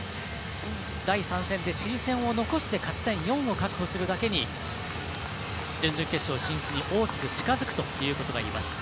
第３戦でチリ戦を残して勝ち点４を確保するだけで準々決勝進出に大きく近づくということがあります。